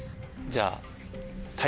じゃあ。